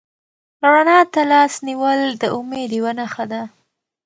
رڼا ته لاس نیول د امید یوه نښه ده.